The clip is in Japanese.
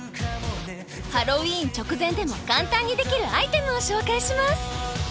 ハロウィーン直前でも簡単にできるアイテムを紹介します！